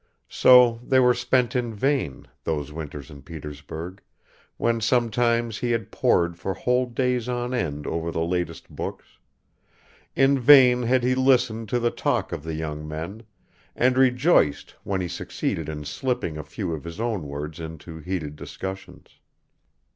So they were spent in vain, those winters in Petersburg, when sometimes he had pored for whole days on end over the latest books; in vain had he listened to the talk of the young men, and rejoiced when he succeeded in slipping a few of his own words into heated discussions.